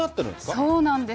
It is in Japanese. そうなんです。